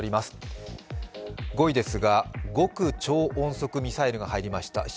５位ですが、極超音速ミサイルが入りました。